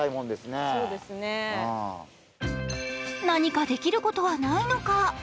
何かできることはないのか。